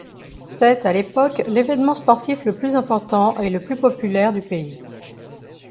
C'est à l'époque l'évènement sportif le plus important et le plus populaire du pays.